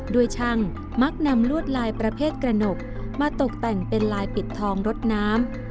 ช่างมักนำลวดลายประเภทกระหนกมาตกแต่งเป็นลายปิดทองรถน้ำ